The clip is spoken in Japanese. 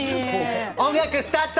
音楽スタート。